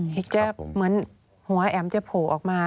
เห็นจ้ะเหมือนหัวแอ๋มจะโผล่ออกมา